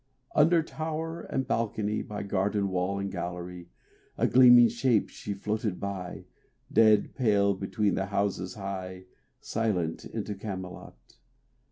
RAINBOW GOLD Under tower and balcony, By garden wall and gallery, A gleaming shape she floated by, Dead pale between the houses high, Silent into Camelot.